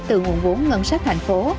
từ nguồn vốn ngân sách thành phố